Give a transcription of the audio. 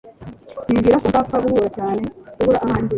nibwiraga ko nzapfa guhura cyane kubura abanjye